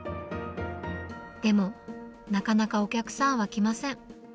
でも、なかなかお客さんは来ません。